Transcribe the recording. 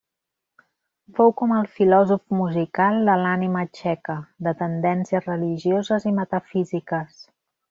Fou com el filòsof musical de l'ànima txeca, de tendències religioses i metafísiques.